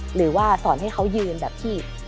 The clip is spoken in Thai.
หรือว่าสอนให้เขายืนแบบที่